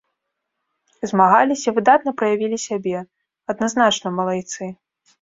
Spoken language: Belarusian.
Змагаліся, выдатна праявілі сябе, адназначна малайцы.